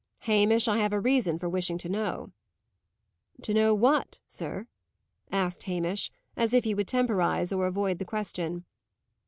"Hamish, I have a reason for wishing to know." "To know what, sir?" asked Hamish, as if he would temporize, or avoid the question.